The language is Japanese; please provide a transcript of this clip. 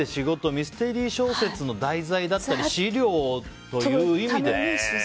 ミステリー小説の題材だったり資料という意味で。